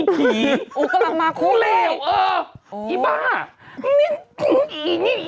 ดังนั้นเลยกลัวแบดเลย